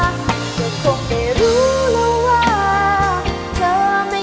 เธอคงได้รู้แล้วว่า